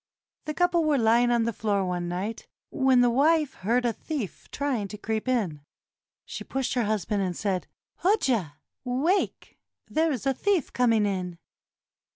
The couple were lying on the floor one night when the wife heard a thief trying to creep in. She pushed her husband and said, "Hoja, wake; there is a thief coming in."